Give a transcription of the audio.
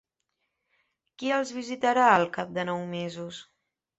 ¿Qui els visitarà al cap de nou mesos?